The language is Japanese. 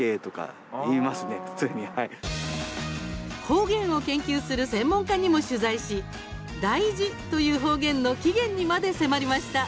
方言を研究する専門家にも取材し「だいじ」という方言の起源にまで迫りました。